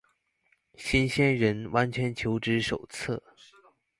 新鮮人完全求職手冊